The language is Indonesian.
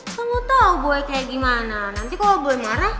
kamu tau boy kayak gimana nanti kalau boy marah